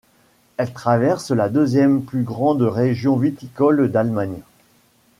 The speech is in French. Elle traverse la deuxième plus grande région viticole d'Allemagne.